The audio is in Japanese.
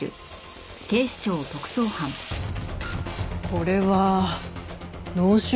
これは脳腫瘍ね。